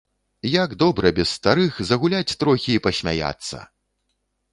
Як добра без старых загуляць трохі і пасмяяцца!